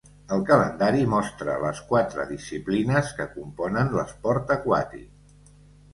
El calendari mostra les quatre disciplines que componen l'esport aquàtic.